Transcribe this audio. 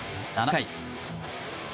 ７回。